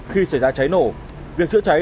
tường này hay chưa chắc